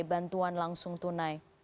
bantuan langsung tunai